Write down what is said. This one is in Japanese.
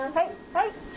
はい！